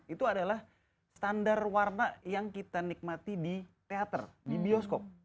itu adalah standar warna yang kita nikmati di teater di bioskop